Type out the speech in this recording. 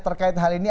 terkait hal ini